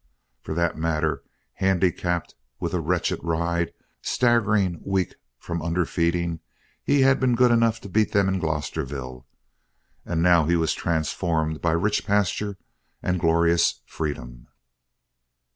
For that matter, handicapped with a wretched ride, staggering weak from underfeeding, he had been good enough to beat them in Glosterville, and now he was transformed by rich pasture and glorious freedom.